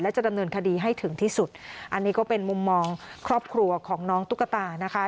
จะดำเนินคดีให้ถึงที่สุดอันนี้ก็เป็นมุมมองครอบครัวของน้องตุ๊กตานะคะ